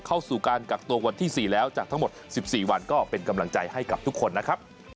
เข้าสู่การกักตัววันที่๔แล้วจากทั้งหมด๑๔วันก็เป็นกำลังใจให้กับทุกคนนะครับ